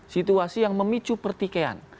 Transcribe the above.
situasi yang memicu pertikaian